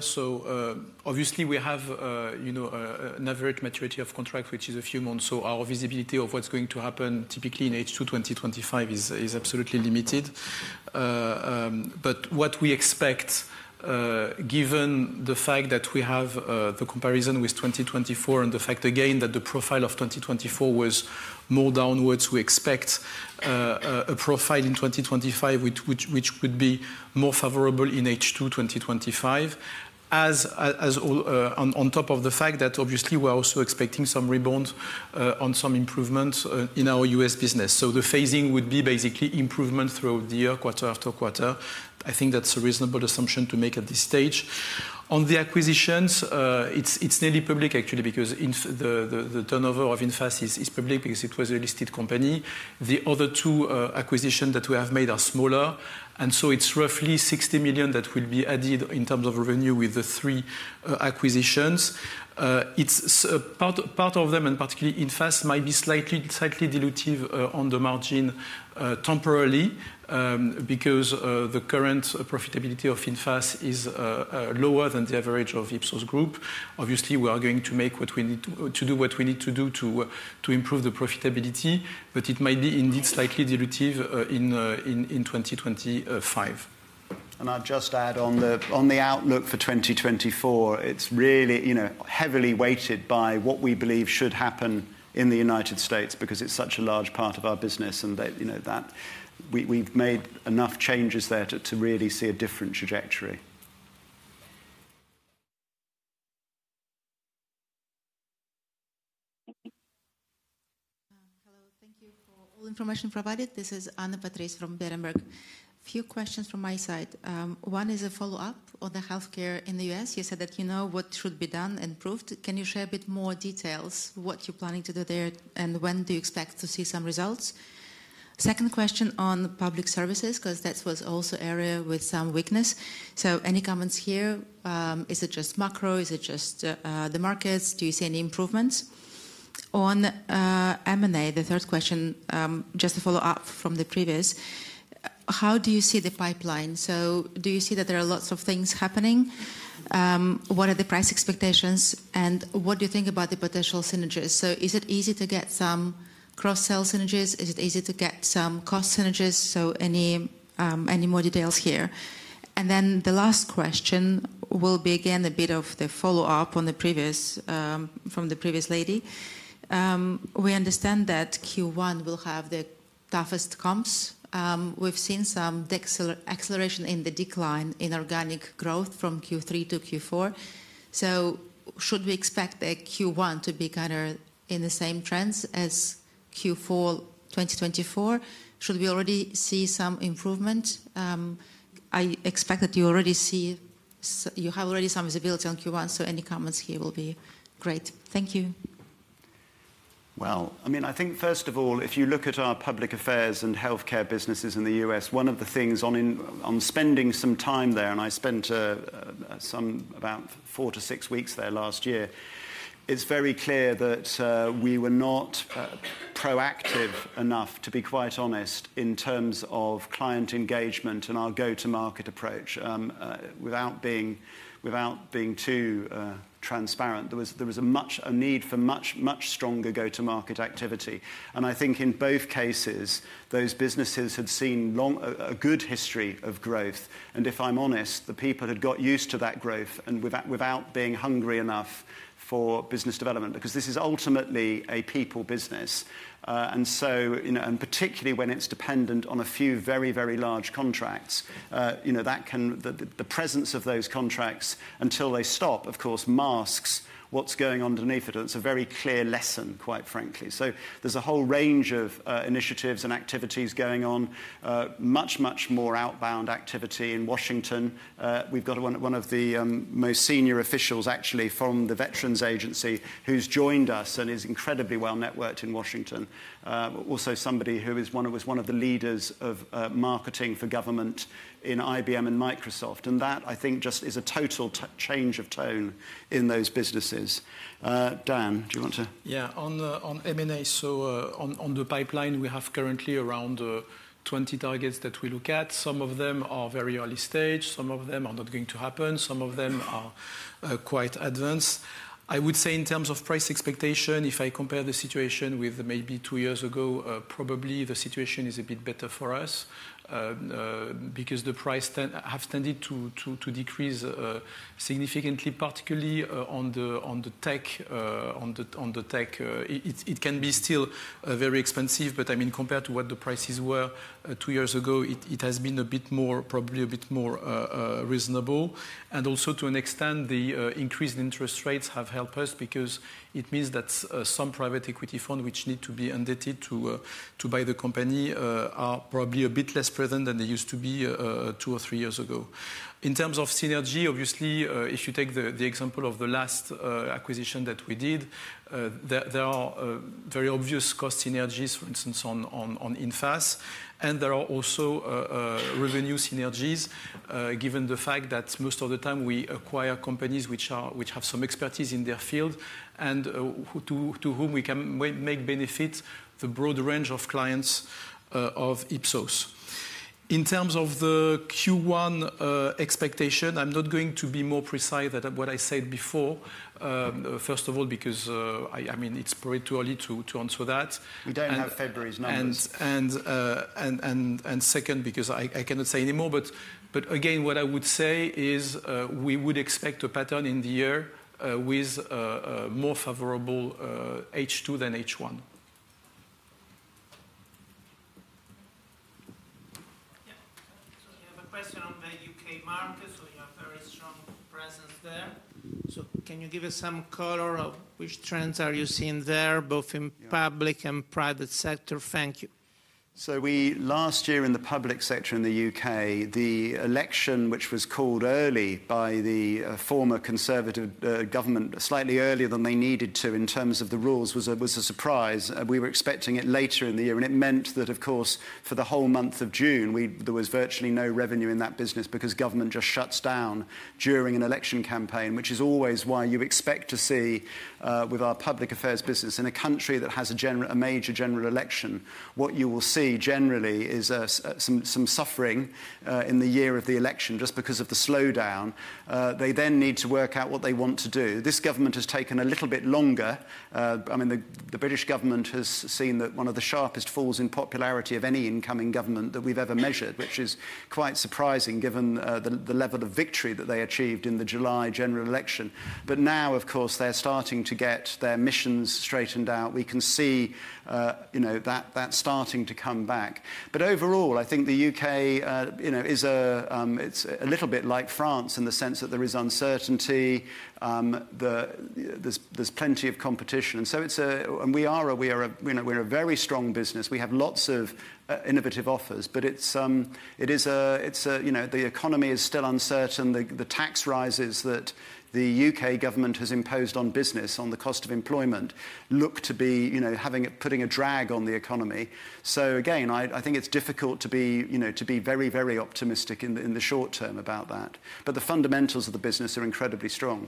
Obviously, we have an average maturity of contract, which is a few months. Our visibility of what's going to happen typically in H2 2025 is absolutely limited. But what we expect, given the fact that we have the comparison with 2024 and the fact, again, that the profile of 2024 was more downwards, we expect a profile in 2025 which would be more favorable in H2 2025, on top of the fact that obviously, we're also expecting some rebound on some improvements in our US. business. So the phasing would be basically improvement throughout the year, quarter after quarter. I think that's a reasonable assumption to make at this stage. On the acquisitions, it's nearly public, actually, because the turnover of Infas is public because it was a listed company. The other two acquisitions that we have made are smaller. And so it's roughly 60 million that will be added in terms of revenue with the three acquisitions. Part of them, and particularly Infas, might be slightly dilutive on the margin temporarily because the current profitability of Infas is lower than the average of Ipsos Group. Obviously, we are going to make what we need to do what we need to do to improve the profitability. But it might be indeed slightly dilutive in 2025. And I'll just add on the outlook for 2024. It's really heavily weighted by what we believe should happen in the United States because it's such a large part of our business. And we've made enough changes there to really see a different trajectory. Hello. Thank you for all the information provided. This is Anna Patrice from Berenberg. A few questions from my side. One is a follow-up on the healthcare in the U.S. You said that you know what should be done and proved. Can you share a bit more details what you're planning to do there and when do you expect to see some results? Second question on public services because that was also an area with some weakness. So any comments here? Is it just macro? Is it just the markets? Do you see any improvements? On M&A, the third question, just a follow-up from the previous. How do you see the pipeline? So do you see that there are lots of things happening? What are the price expectations? And what do you think about the potential synergies? So is it easy to get some cross-sell synergies? Is it easy to get some cost synergies? So any more details here? And then the last question will be, again, a bit of the follow-up from the previous lady. We understand that Q1 will have the toughest comps. We've seen some acceleration in the decline in organic growth from Q3 to Q4. So should we expect Q1 to be kind of in the same trends as Q4 2024? Should we already see some improvement? I expect that you already have some visibility on Q1. So any comments here will be great. Thank you. Well, I mean, I think, first of all, if you look at our public affairs and healthcare businesses in the U.S., one of the things, upon spending some time there, and I spent about four to six weeks there last year, it's very clear that we were not proactive enough, to be quite honest, in terms of client engagement and our go-to-market approach, without being too transparent. There was a need for much, much stronger go-to-market activity. I think in both cases, those businesses had seen a good history of growth. If I'm honest, the people had got used to that growth without being hungry enough for business development because this is ultimately a people business. And particularly when it's dependent on a few very, very large contracts, the presence of those contracts until they stop, of course, masks what's going underneath it. And it's a very clear lesson, quite frankly. So there's a whole range of initiatives and activities going on, much, much more outbound activity in Washington. We've got one of the most senior officials, actually, from the Veterans Agency who's joined us and is incredibly well networked in Washington. Also, somebody who was one of the leaders of marketing for government in IBM and Microsoft. And that, I think, just is a total change of tone in those businesses. Dan, do you want to? Yeah. On M&A, so on the pipeline, we have currently around 20 targets that we look at. Some of them are very early stage. Some of them are not going to happen. Some of them are quite advanced. I would say in terms of price expectation, if I compare the situation with maybe two years ago, probably the situation is a bit better for us because the price has tended to decrease significantly, particularly on the tech. It can be still very expensive. But I mean, compared to what the prices were two years ago, it has been a bit more, probably a bit more reasonable. And also, to an extent, the increased interest rates have helped us because it means that some private equity funds which need to be indebted to buy the company are probably a bit less present than they used to be two or three years ago. In terms of synergy, obviously, if you take the example of the last acquisition that we did, there are very obvious cost synergies, for instance, on Infas. And there are also revenue synergies given the fact that most of the time, we acquire companies which have some expertise in their field and to whom we can make benefit the broad range of clients of Ipsos. In terms of the Q1 expectation, I'm not going to be more precise than what I said before, first of all, because I mean, it's probably too early to answer that. We don't have February's numbers. And second, because I cannot say anymore. But again, what I would say is we would expect a pattern in the year with more favorable H2 than H1. Yeah. So you have a question on the UK market. So you have a very strong presence there. So can you give us some color of which trends are you seeing there, both in public and private sector? Thank you. So last year in the public sector in the UK, the election, which was called early by the former Conservative government, slightly earlier than they needed to in terms of the rules, was a surprise. We were expecting it later in the year. And it meant that, of course, for the whole month of June, there was virtually no revenue in that business because government just shuts down during an election campaign, which is always why you expect to see with our public affairs business. In a country that has a major general election, what you will see generally is some suffering in the year of the election just because of the slowdown. They then need to work out what they want to do. This government has taken a little bit longer. I mean, the British government has seen one of the sharpest falls in popularity of any incoming government that we've ever measured, which is quite surprising given the level of victory that they achieved in the July general election. But now, of course, they're starting to get their missions straightened out. We can see that starting to come back. But overall, I think the UK is a little bit like France in the sense that there is uncertainty. There's plenty of competition. And so we are a very strong business. We have lots of innovative offers. But it is, the economy is still uncertain. The tax rises that the UK government has imposed on business, on the cost of employment, look to be putting a drag on the economy. So again, I think it's difficult to be very, very optimistic in the short term about that. But the fundamentals of the business are incredibly strong.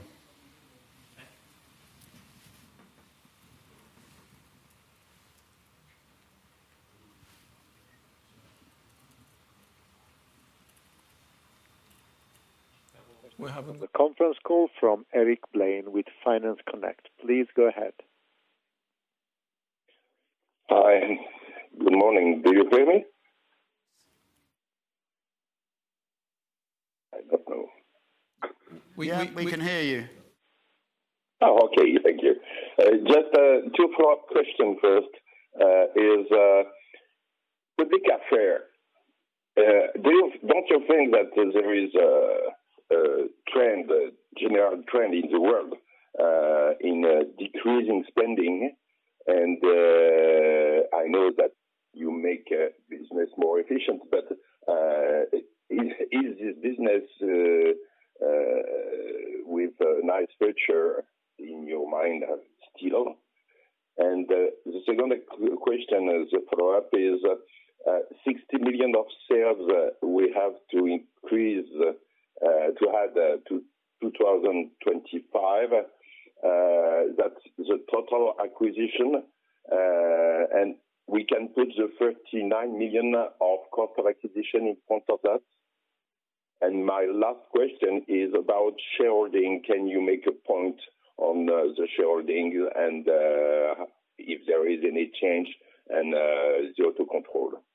We're having a conference call from Eric Blain with Finance Connect. Please go ahead. Hi. Good morning. Do you hear me? I don't know. We can hear you. Oh, okay. Thank you. Just a two-fold question first. With Public Affair, don't you think that there is a general trend in the world in decreasing spending? And I know that you make business more efficient, but is this business with a nice future in your mind still? And the second question as a follow-up is 60 million of sales we have to increase to add to 2025. That's the total acquisition. And we can put the EURO 39 million of corporate acquisition in front of that. And my last question is about shareholding. Can you make a point on the shareholding and if there is any change and zero-to-control? Thank you.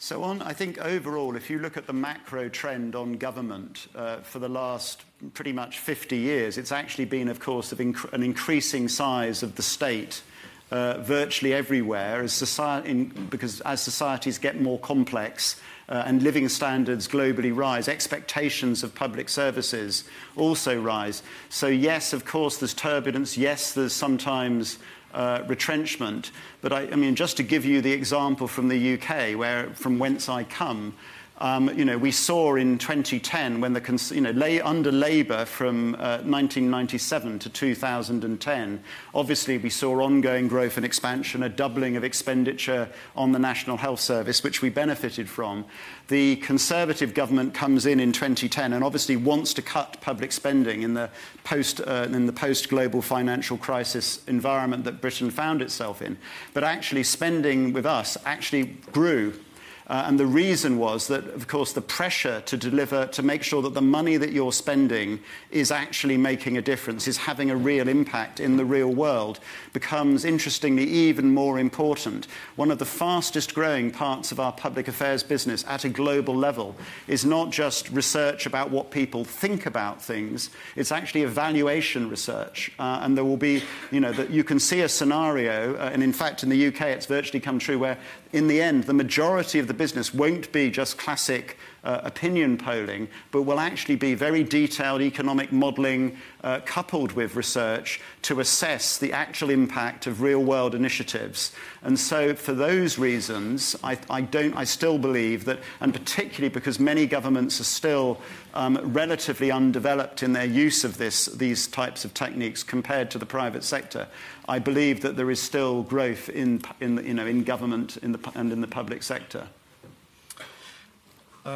So on, I think overall, if you look at the macro trend on government for the last pretty much 50 years, it's actually been, of course, an increasing size of the state virtually everywhere because as societies get more complex and living standards globally rise, expectations of public services also rise. So yes, of course, there's turbulence. Yes, there's sometimes retrenchment. But I mean, just to give you the example from the U.K., from whence I come, we saw in 2010 when the under Labour from 1997 to 2010, obviously, we saw ongoing growth and expansion, a doubling of expenditure on the National Health Service, which we benefited from. The Conservative government comes in in 2010 and obviously wants to cut public spending in the post-global financial crisis environment that Britain found itself in. But actually, spending with us actually grew. And the reason was that, of course, the pressure to deliver to make sure that the money that you're spending is actually making a difference, is having a real impact in the real world, becomes, interestingly, even more important. One of the fastest-growing parts of our public affairs business at a global level is not just research about what people think about things. It's actually evaluation research. And there will be that you can see a scenario. In fact, in the U.K., it's virtually come true where, in the end, the majority of the business won't be just classic opinion polling, but will actually be very detailed economic modeling coupled with research to assess the actual impact of real-world initiatives. For those reasons, I still believe that, and particularly because many governments are still relatively undeveloped in their use of these types of techniques compared to the private sector, I believe that there is still growth in government and in the public sector.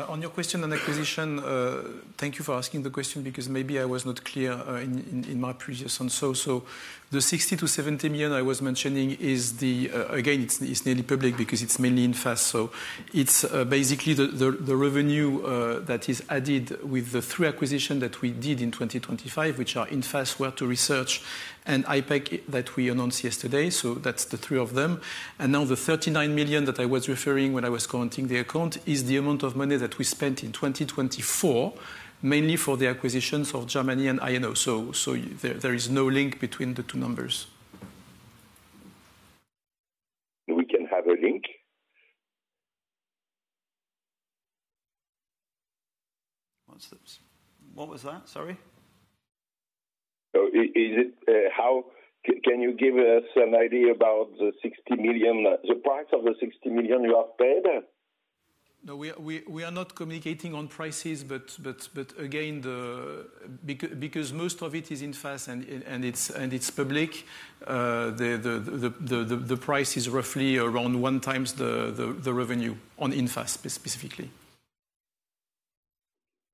On your question on acquisition, thank you for asking the question because maybe I was not clear in my previous answer. The 60-70 million I was mentioning is the, again, it's nearly public because it's mainly Infas. It's basically the revenue that is added with the three acquisitions that we did in 2025, which are Infas, Word2Research, and IPEC that we announced yesterday. That's the three of them. Now the EURO 39 million that I was referring to when I was commenting on the amount is the amount of money that we spent in 2024, mainly for the acquisitions of Jarmany and I&O. There is no link between the two numbers. We can have a link? What was that? Sorry. Can you give us an idea about the 60 million? The price of the 60 million you have paid? No, we are not communicating on prices. But again, because most of it is Infas and it's public, the price is roughly around one times the revenue on Infas specifically.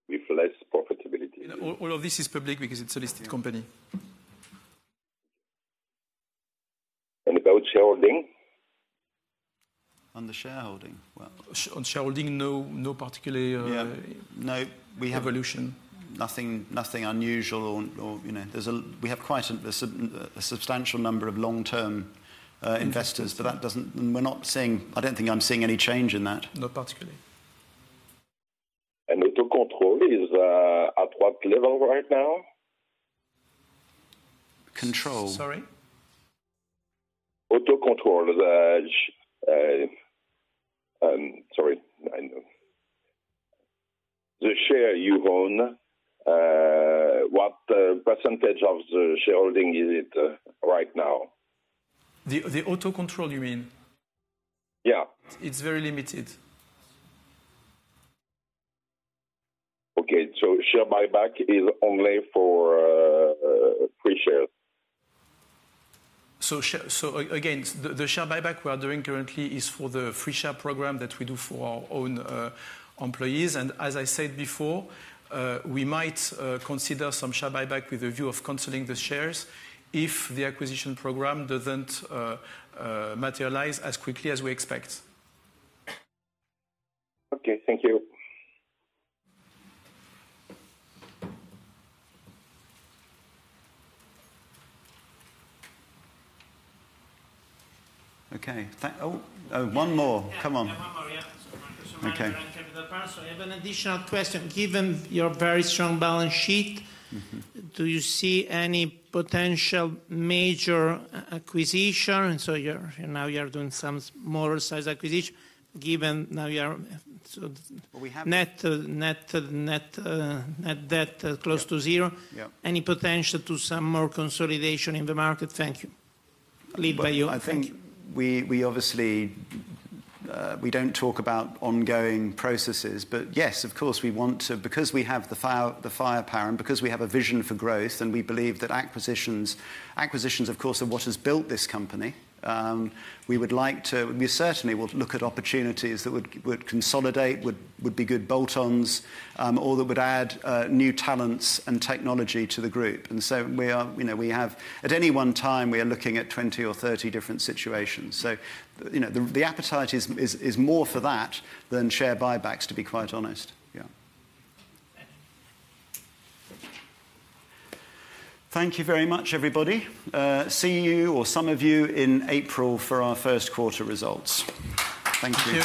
With less profitability. All of this is public because it's a listed company. About shareholding? On the shareholding? On shareholding, no particular. Yeah. No, we have evolution. Nothing unusual. We have quite a substantial number of long-term investors. But we're not seeing. I don't think I'm seeing any change in that. Not particularly. And auto control is at what level right now? Control. Sorry? Auto control. Sorry. The share you own, what percentage of the shareholding is it right now? The auto control, you mean? Yeah. It's very limited. Okay. So share buyback is only for free shares? So again, the share buyback we are doing currently is for the free share program that we do for our own employees. And as I said before, we might consider some share buyback with a view of cancelling the shares if the acquisition program doesn't materialize as quickly as we expect. Okay. Thank you. Okay. One more. Come on. Okay. So I have an additional question. Given your very strong balance sheet, do you see any potential major acquisition? And so now you're doing some smaller size acquisition given now you're net debt close to zero. Any potential to some more consolidation in the market? Thank you. Lead by you. I think we obviously don't talk about ongoing processes, but yes, of course, we want to because we have the firepower and because we have a vision for growth and we believe that acquisitions, of course, are what has built this company. We would like to we certainly would look at opportunities that would consolidate, would be good bolt-ons, or that would add new talents and technology to the group, and so we have at any one time, we are looking at 20 or 30 different situations, so the appetite is more for that than share buybacks, to be quite honest. Yeah. Thank you very much, everybody. See you or some of you in April for our Q1 results. Thank you.